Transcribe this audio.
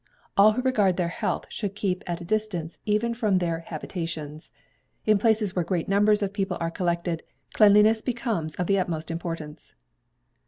All who regard their health should keep at a distance, even from their habitations. In places where great numbers of people are collected, cleanliness becomes of the utmost importance.